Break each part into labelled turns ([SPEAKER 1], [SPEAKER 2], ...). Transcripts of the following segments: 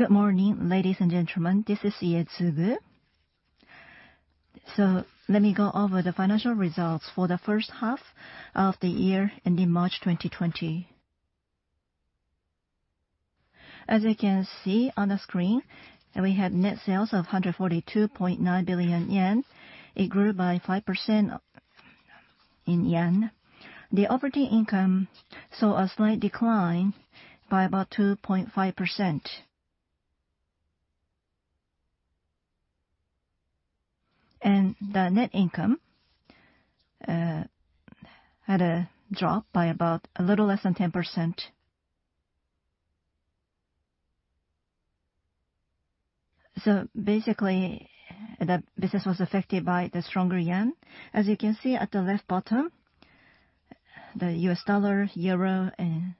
[SPEAKER 1] Good morning, ladies and gentlemen. This is Ietsugu. Let me go over the financial results for the first half of the year ending March 2020. As you can see on the screen, we had net sales of 142.9 billion yen. It grew by 5% in yen. The operating income saw a slight decline by about 2.5%. The net income had a drop by about a little less than 10%. Basically, the business was affected by the stronger yen. As you can see at the bottom left, the US dollar, euro, and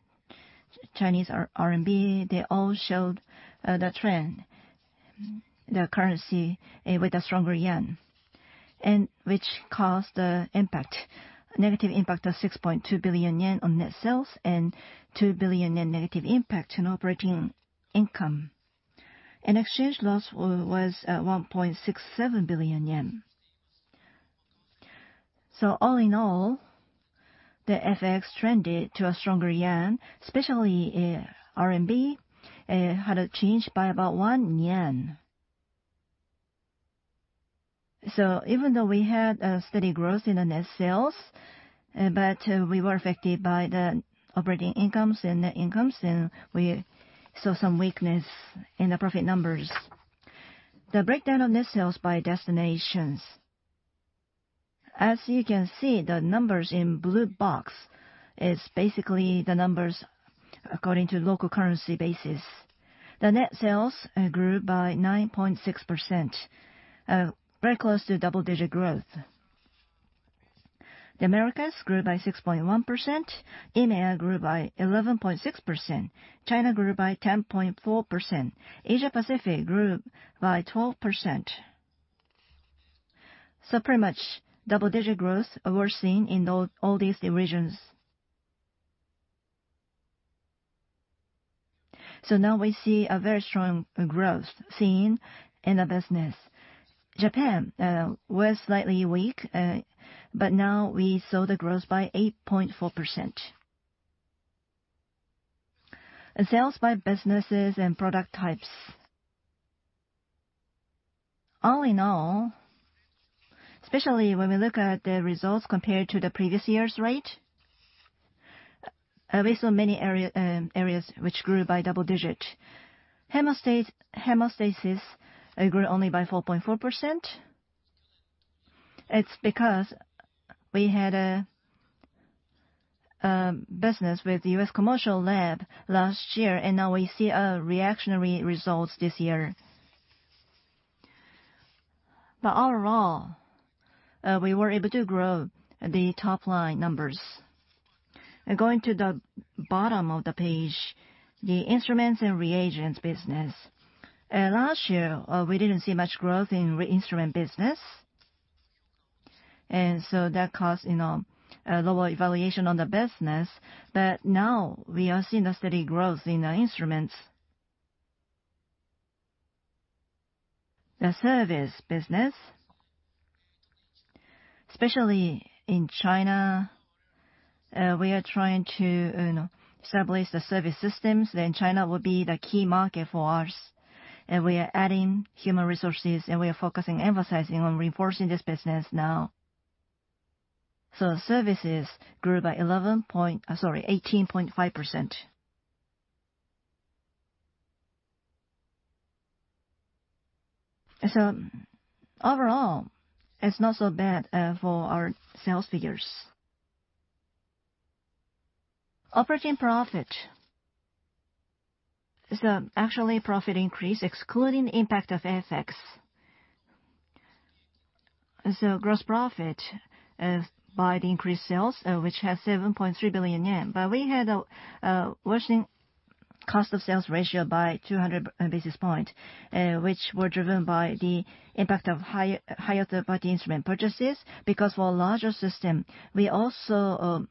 [SPEAKER 1] Chinese RMB, they all showed the trend, the currency with the stronger yen, which caused the negative impact of 6.2 billion yen on net sales and 2 billion yen negative impact on operating income. Exchange loss was 1.67 billion yen. All in all, the FX trended to a stronger JPY, especially RMB had a change by about 1 yen. Even though we had a steady growth in the net sales, we were affected by the operating incomes and net incomes, and we saw some weakness in the profit numbers. The breakdown of net sales by destinations. As you can see, the numbers in blue box is basically the numbers according to local currency basis. The net sales grew by 9.6%, very close to double-digit growth. The Americas grew by 6.1%, EMEA grew by 11.6%, China grew by 10.4%, Asia Pacific grew by 12%. Pretty much double-digit growth were seen in all these regions. Now we see a very strong growth seen in the business. Japan was slightly weak, but now we saw the growth by 8.4%. Sales by businesses and product types. All in all, especially when we look at the results compared to the previous year's rate, we saw many areas which grew by double-digit. Hemostasis grew only by 4.4%. It's because we had a business with U.S. commercial lab last year, and now we see reactionary results this year. Overall, we were able to grow the top-line numbers. Going to the bottom of the page, the instruments and reagents business. Last year, we didn't see much growth in instrument business. That caused a lower evaluation on the business. Now we are seeing the steady growth in the instruments. The service business, especially in China, we are trying to establish the service systems, then China will be the key market for us. We are adding human resources, and we are focusing, emphasizing on reinforcing this business now. Services grew by 18.5%. Overall, it's not so bad for our sales figures. Operating profit. Actually profit increased, excluding the impact of FX. Gross profit by the increased sales, which has 7.3 billion yen. We had a worsening cost of sales ratio by 200 basis points, which were driven by the impact of higher third-party instrument purchases, because for a larger system, we also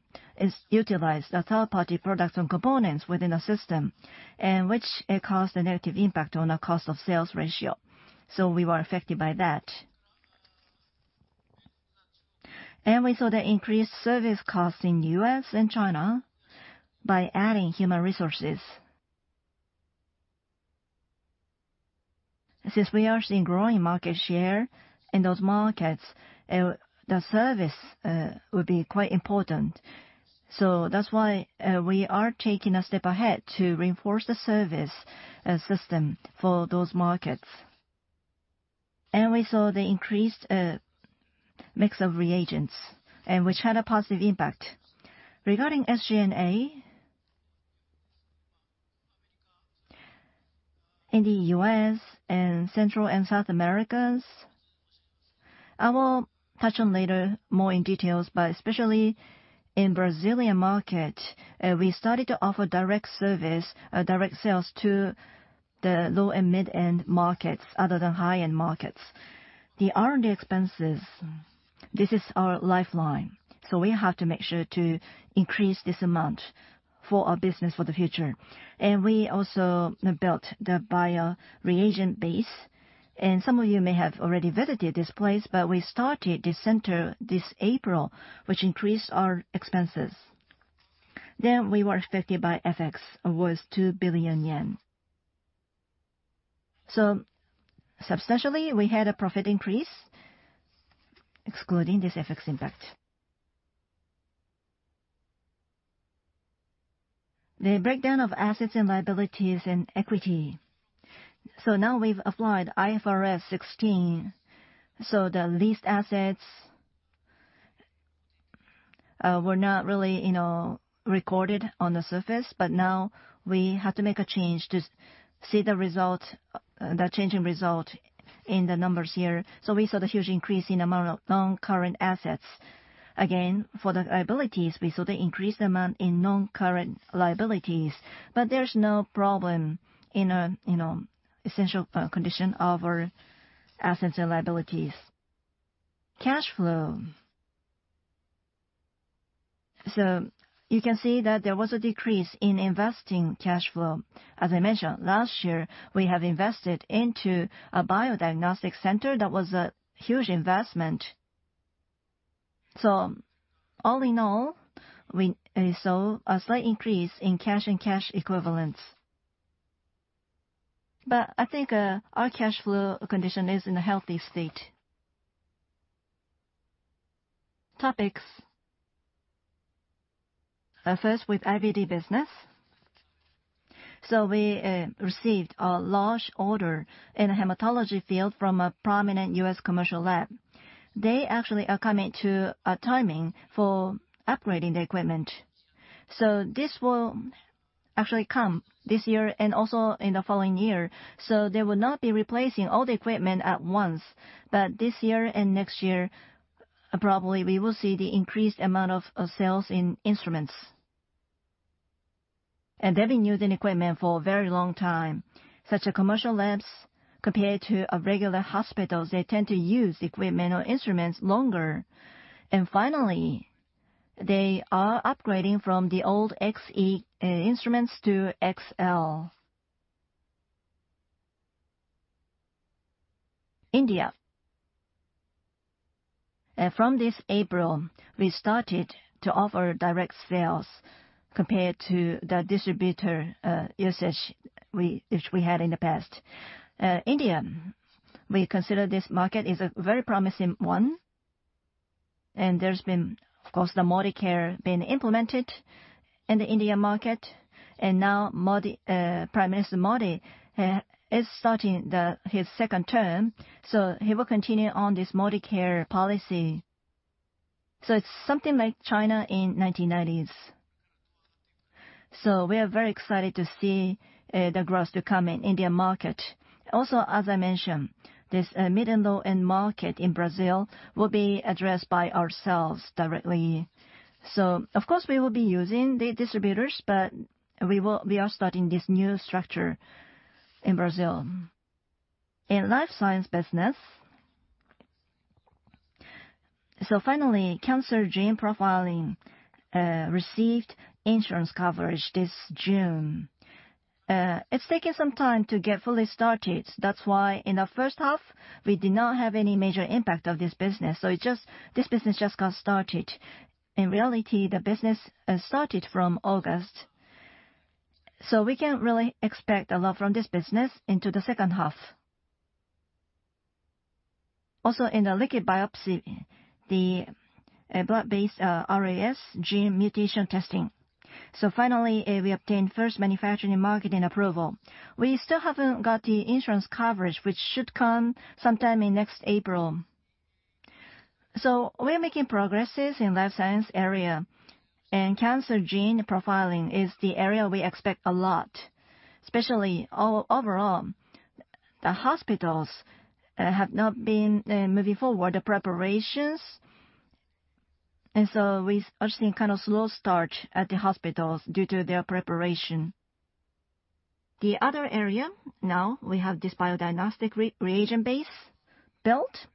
[SPEAKER 1] utilized the third-party products and components within a system, and which caused a negative impact on our cost of sales ratio. We were affected by that. We saw the increased service cost in U.S. and China by adding human resources. Since we are seeing growing market share in those markets, the service will be quite important. That's why we are taking a step ahead to reinforce the service system for those markets. We saw the increased mix of reagents, which had a positive impact. Regarding SG&A, in the U.S. and Central and South Americas, I will touch on later more in details, but especially in Brazilian market, we started to offer direct service, direct sales to the low and mid-end markets, other than high-end markets. The R&D expenses. This is our lifeline, we have to make sure to increase this amount for our business for the future. We also built the bio-reagent base. Some of you may have already visited this place, but we started this center this April, which increased our expenses. We were affected by FX, was 2 billion yen. Substantially, we had a profit increase excluding this FX impact. The breakdown of assets and liabilities and equity. Now we've applied IFRS 16, the leased assets were not really recorded on the surface, but now we had to make a change to see the changing result in the numbers here. We saw the huge increase in amount of non-current assets. Again, for the liabilities, we saw the increased amount in non-current liabilities, but there's no problem in essential condition of our assets and liabilities. Cash flow. You can see that there was a decrease in investing cash flow. As I mentioned, last year, we have invested into a bio-diagnostic center. That was a huge investment. All in all, we saw a slight increase in cash and cash equivalents. I think our cash flow condition is in a healthy state. Topics. First, with IVD business. We received a large order in the hematology field from a prominent U.S. commercial lab. They actually are coming to a timing for upgrading their equipment. This will actually come this year and also in the following year. They will not be replacing all the equipment at once, but this year and next year, probably we will see the increased amount of sales in instruments. They've been using equipment for a very long time, such a commercial labs compared to a regular hospitals, they tend to use equipment or instruments longer. Finally, they are upgrading from the old XE instruments to XN. India. From this April, we started to offer direct sales compared to the distributor usage which we had in the past. India, we consider this market is a very promising one. There's been, of course, the Modicare being implemented in the India market. Now Prime Minister Modi is starting his second term. He will continue on this Modicare policy. It's something like China in the 1990s. We are very excited to see the growth to come in India market. As I mentioned, this mid and low-end market in Brazil will be addressed by ourselves directly. Of course, we will be using the distributors, but we are starting this new structure in Brazil. In life science business. Finally, cancer genome profiling received insurance coverage this June. It's taking some time to get fully started. That's why in the first half, we did not have any major impact of this business. This business just got started. In reality, the business started from August. We can really expect a lot from this business into the second half. Also, in the liquid biopsy, the blood-based RAS gene mutation testing. Finally, we obtained first manufacturing marketing approval. We still haven't got the insurance coverage, which should come sometime in next April. We're making progresses in life science area, and cancer genome profiling is the area we expect a lot, especially overall, the hospitals have not been moving forward, the preparations. We are seeing kind of slow start at the hospitals due to their preparation. The other area, now we have this bio-diagnostic reagent base built,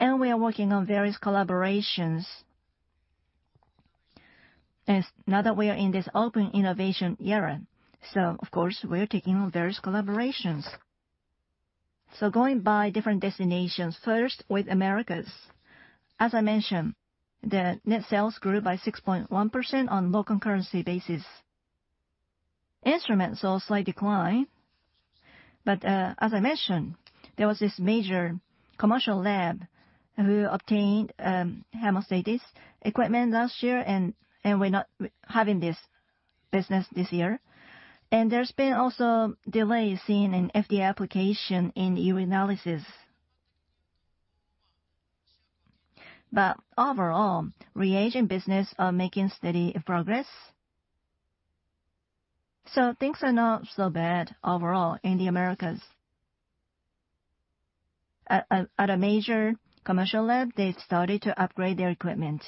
[SPEAKER 1] and we are working on various collaborations. Now that we are in this open innovation era, so of course, we are taking on various collaborations. Going by different destinations, first with Americas. As I mentioned, the net sales grew by 6.1% on local currency basis. Instruments saw a slight decline. As I mentioned, there was this major commercial lab who obtained hemostasis equipment last year, and we're not having this business this year. There's been also delays seen in FDA application in urinalysis. Overall, reagent business are making steady progress. Things are not so bad overall in the Americas. At a major commercial lab, they started to upgrade their equipment.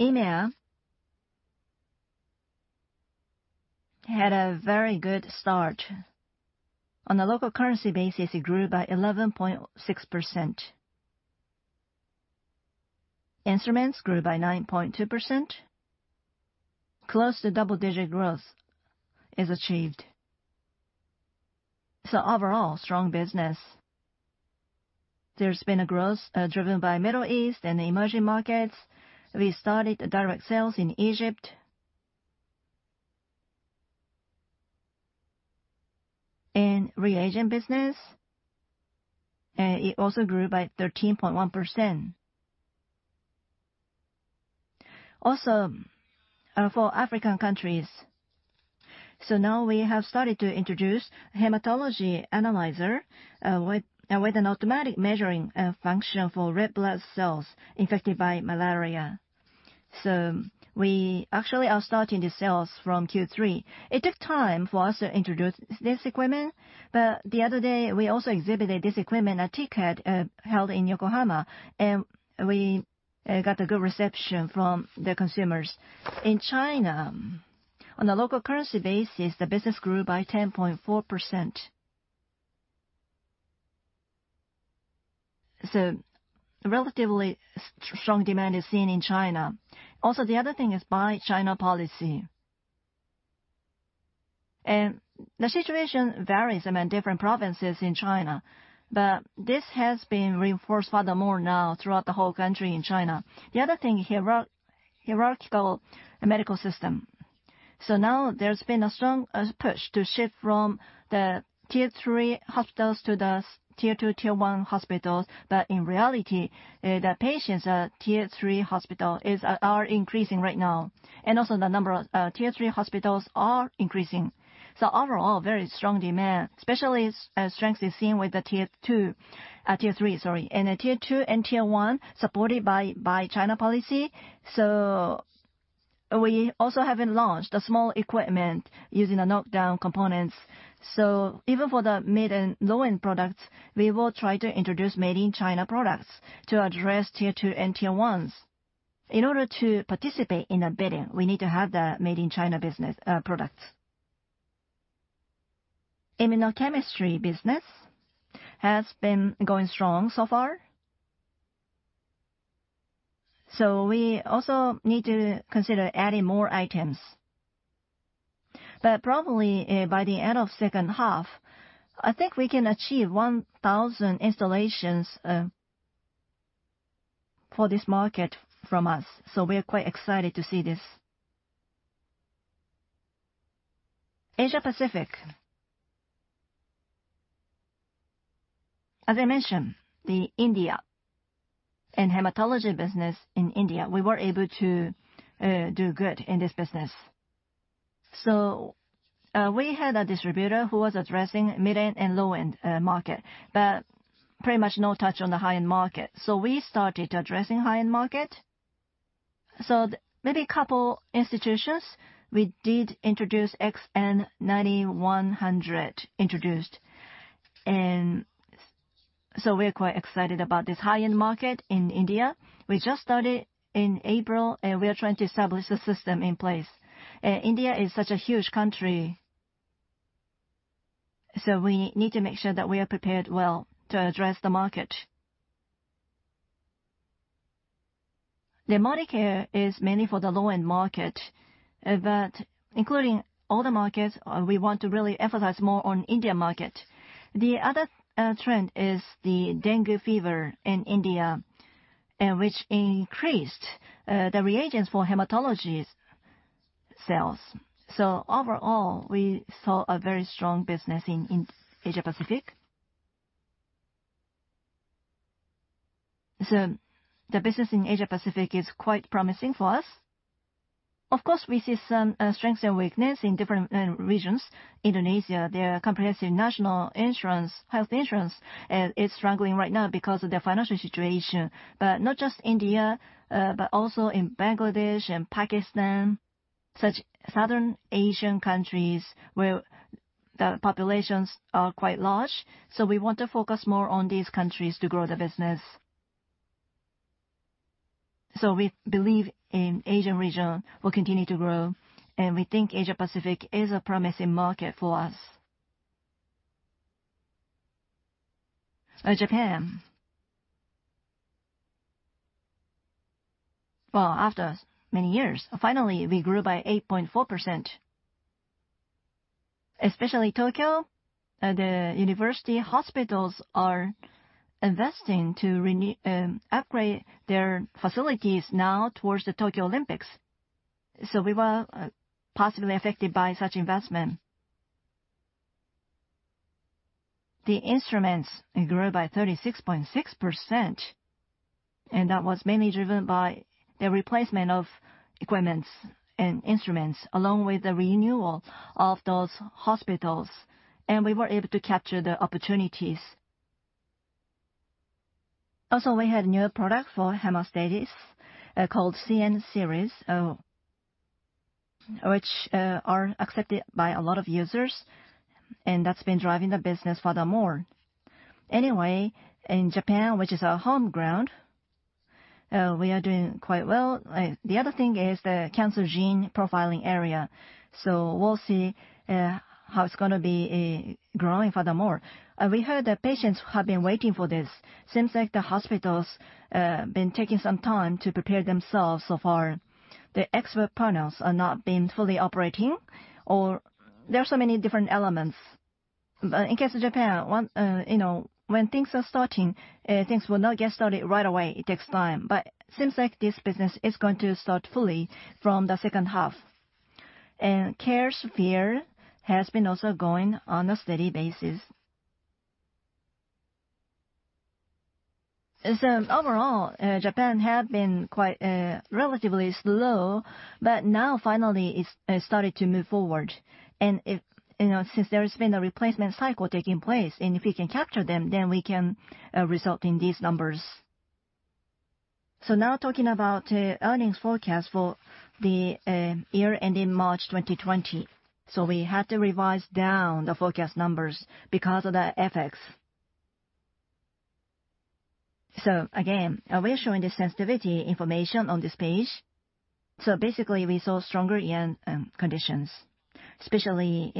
[SPEAKER 1] EMEA had a very good start. On the local currency basis, it grew by 11.6%. Instruments grew by 9.2%, close to double-digit growth is achieved. Overall, strong business. There's been a growth driven by Middle East and the emerging markets. We started direct sales in Egypt. Reagent business, it also grew by 13.1%. Also, for African countries. Now we have started to introduce hematology analyzer with an automatic measuring function for red blood cells infected by malaria. We actually are starting the sales from Q3. It took time for us to introduce this equipment, but the other day, we also exhibited this equipment at TICAD, held in Yokohama, and we got a good reception from the consumers. In China, on the local currency basis, the business grew by 10.4%. Relatively strong demand is seen in China. The other thing is Buy China policy. The situation varies among different provinces in China, but this has been reinforced furthermore now throughout the whole country in China. The other thing is the hierarchical medical system. Now there's been a strong push to shift from the tier 3 hospitals to the tier 2, tier 1 hospitals. In reality, the patients at tier 3 hospital are increasing right now. Also the number of tier 3 hospitals are increasing. Overall, very strong demand, especially strength is seen with the tier 2, tier 3, sorry, and tier 2 and tier 1 supported by Buy China policy. We also have launched a small equipment using the knockdown components. Even for the mid and low-end products, we will try to introduce made-in-China products to address tier 2 and tier 1s. In order to participate in the bidding, we need to have the made-in-China business products. Immunochemistry business has been going strong so far. We also need to consider adding more items. Probably by the end of second half, I think we can achieve 1,000 installations for this market from us. We are quite excited to see this. Asia Pacific. As I mentioned, in India, in hematology business in India, we were able to do good in this business. We had a distributor who was addressing mid-end and low-end market, but pretty much no touch on the high-end market. We started addressing high-end market. Maybe couple institutions, we did introduce XN-9100, introduced. We are quite excited about this high-end market in India. We just started in April, we are trying to establish the system in place. India is such a huge country, we need to make sure that we are prepared well to address the market. The Modicare is mainly for the low-end market, including all the markets, we want to really emphasize more on Indian market. The other trend is the dengue fever in India, which increased the reagents for hematology sales. Overall, we saw a very strong business in Asia Pacific. The business in Asia Pacific is quite promising for us. Of course, we see some strengths and weakness in different regions. Indonesia, their comprehensive national insurance, health insurance, is struggling right now because of their financial situation. Not just India, but also in Bangladesh and Pakistan, such southern Asian countries where the populations are quite large. We want to focus more on these countries to grow the business. We believe in Asian region will continue to grow, and we think Asia Pacific is a promising market for us. Japan. Well, after many years, finally, we grew by 8.4%. Especially Tokyo, the university hospitals are investing to upgrade their facilities now towards the Tokyo Olympics. We were positively affected by such investment. The instruments grew by 36.6%. That was mainly driven by the replacement of equipments and instruments, along with the renewal of those hospitals. We were able to capture the opportunities. We had newer product for hemostasis, called CN-Series, which are accepted by a lot of users. That's been driving the business furthermore. In Japan, which is our home ground. We are doing quite well. The other thing is the cancer genome profiling area. We'll see how it's going to be growing furthermore. We heard that patients have been waiting for this. Seems like the hospitals have been taking some time to prepare themselves so far. The expert partners are not being fully operating, or there are so many different elements. In case of Japan, when things are starting, things will not get started right away. It takes time. Seems like this business is going to start fully from the second half. Caresphere has been also going on a steady basis. Overall, Japan have been quite relatively slow, but now finally it's started to move forward. Since there's been a replacement cycle taking place, and if we can capture them, then we can result in these numbers. Now talking about earnings forecast for the year ending March 2020. We had to revise down the forecast numbers because of the FX. Again, we're showing the sensitivity information on this page. Basically, we saw stronger yen conditions, especially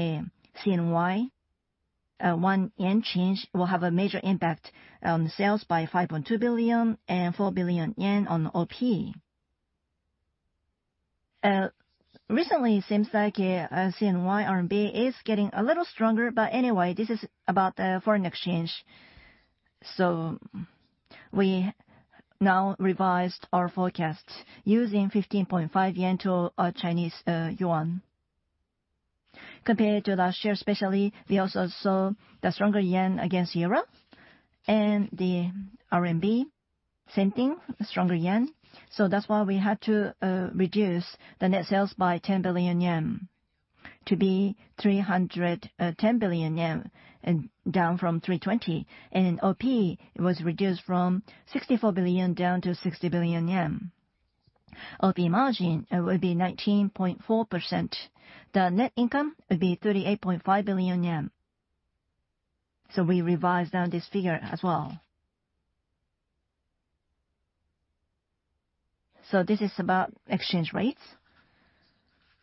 [SPEAKER 1] CNY. One JPY change will have a major impact on sales by 5.2 billion and 4 billion yen on the OP. Recently, it seems like CNY RMB is getting a little stronger, but anyway, this is about the foreign exchange. We now revised our forecast using 15.5 yen to CNY. Compared to last year especially, we also saw the stronger JPY against EUR, and the CNY, same thing, stronger JPY. That's why we had to reduce the net sales by 10 billion yen to be 310 billion yen, down from 320 billion. OP was reduced from 64 billion down to 60 billion yen. OP margin will be 19.4%. The net income will be 38.5 billion yen. We revised down this figure as well. This is about exchange rates.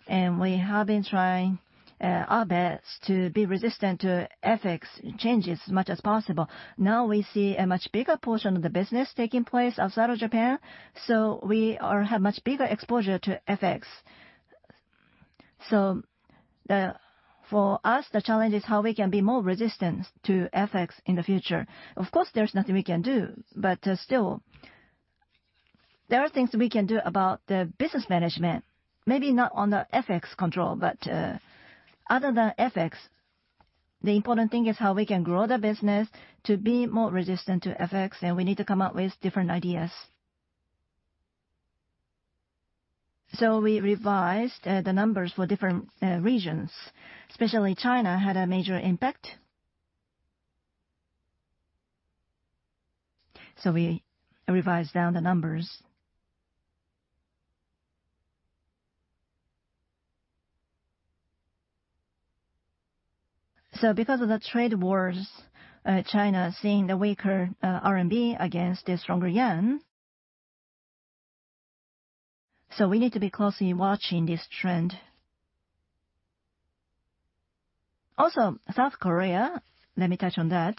[SPEAKER 1] We have been trying our best to be resistant to FX changes as much as possible. Now we see a much bigger portion of the business taking place outside of Japan, so we have much bigger exposure to FX. For us, the challenge is how we can be more resistant to FX in the future. Of course, there is nothing we can do, but still, there are things we can do about the business management, maybe not on the FX control, but other than FX, the important thing is how we can grow the business to be more resistant to FX, and we need to come up with different ideas. We revised the numbers for different regions, especially China had a major impact. We revised down the numbers. Because of the trade wars, China is seeing the weaker RMB against the stronger JPY. We need to be closely watching this trend. Also, South Korea, let me touch on that.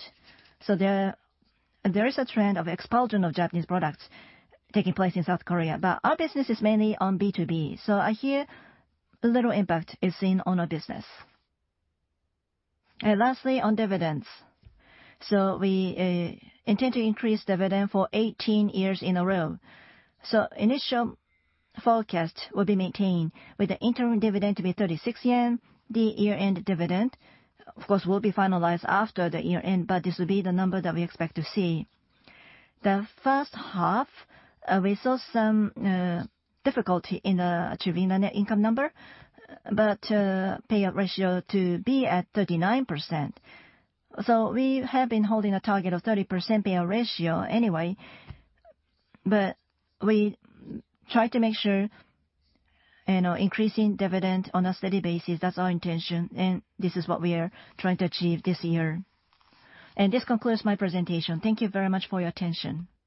[SPEAKER 1] There is a trend of expulsion of Japanese products taking place in South Korea, but our business is mainly on B2B. I hear little impact is seen on our business. Lastly, on dividends. We intend to increase dividend for 18 years in a row. Initial forecast will be maintained with the interim dividend to be 36 yen. The year-end dividend, of course, will be finalized after the year-end, but this will be the number that we expect to see. The first half, we saw some difficulty in achieving the net income number, but payout ratio to be at 39%. We have been holding a target of 30% payout ratio anyway, but we try to make sure increasing dividend on a steady basis, that's our intention, and this is what we are trying to achieve this year. This concludes my presentation. Thank you very much for your attention.